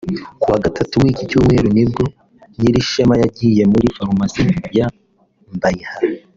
Ku wa Gatatu w’iki cyumweru nibwo Nyirishema yagiye muri Farumasi ya Mbayiha